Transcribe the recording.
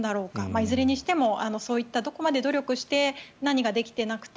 いずれにしても、そういったどこまで努力して何ができていなくて